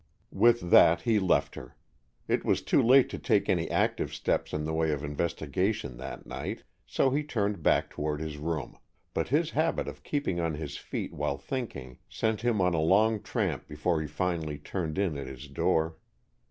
With that he left her. It was too late to take any active steps in the way of investigation that night, so he turned back toward his room, but his habit of keeping on his feet while thinking sent him on a long tramp before he finally turned in at his door.